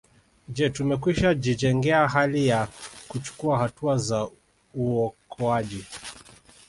Je tumekwishajijengea hali ya kuchukua hatua za uokoaji